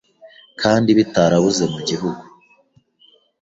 kandi bitarabuze mu gihugu